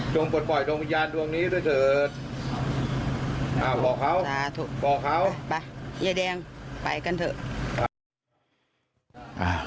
ขึ้นอยู่กับความเชื่อนะฮะสุดท้ายเนี่ยทางครอบครัวก็เชื่อว่าป้าแดงก็ไปที่วัดแล้ว